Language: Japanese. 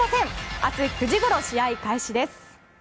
明日９時ごろ試合開始です。